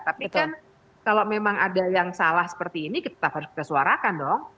tapi kan kalau memang ada yang salah seperti ini tetap harus kita suarakan dong